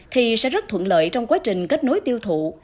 thì sẽ rất thuận lợi trong quá trình kết nối tiêu thụ